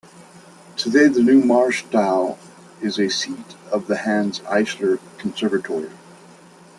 Today the New "Marstall" is a seat of the Hanns Eisler Conservatory.